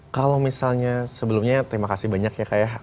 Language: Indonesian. kalau misalnya sebelumnya terima kasih banyak ya kak ya